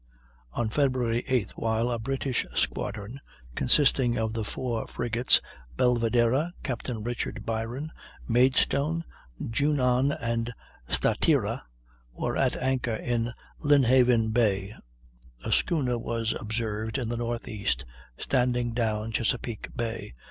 On Feb. 8th, while a British squadron, consisting of the four frigates Belvidera (Captain Richard Byron), Maidstone, Junon, and Statira, were at anchor in Lynhaven Bay, a schooner was observed in the northeast standing down Chesapeake Bay.